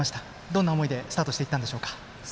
どんな思いでスタートしていったんでしょうか？